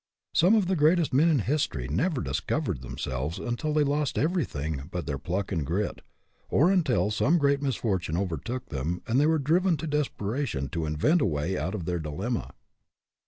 Some of the greatest men in history never discovered themselves until they lost every thing but their pluck and grit, or until some great misfortune overtook them and they were driven to desperation to invent a way out of their dilemma.